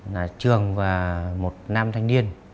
là trường và một nam thanh niên